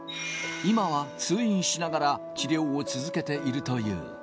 今は通院しながら治療を続けているという。